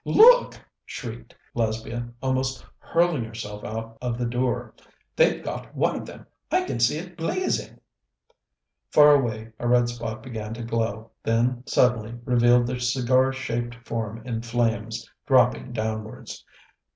"Look!" shrieked Lesbia, almost hurling herself out of the door. "They've got one of them! I can see it blazing!" Far away, a red spot began to glow, then suddenly revealed the cigar shaped form in flames, dropping downwards.